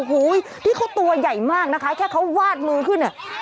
โค๊ยที่ตัวใหญ่มากนะคะแค่วาดมือขึ้นเนี่ย